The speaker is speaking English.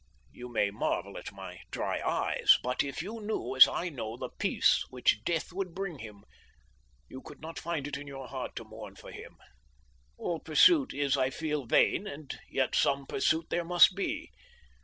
You may marvel at my dry eyes, but if you knew as I know the peace which death would bring him, you could not find it in your heart to mourn for him. All pursuit is, I feel, vain, and yet some pursuit there must be.